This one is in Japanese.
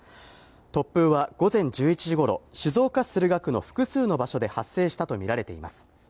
突風は午前１１時ごろ、静岡市駿河区の複数の場所で発生したと見られています。